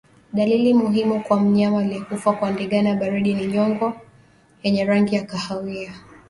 Dalili muhimu kwa mnyama aliyekufa kwa ndigana baridi ni nyongo yenye rangi ya kahawia